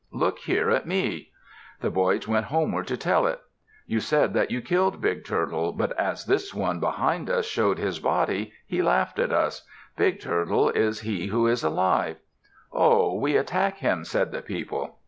Look here at me." The boys went homeward to tell it. "You said that you killed Big Turtle, but as this one behind us showed his body, he laughed at us. Big Turtle is he who is alive." "Ho! We attack him," said the people.